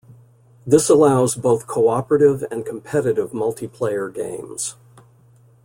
This allows both co-operative and competitive multiplayer games.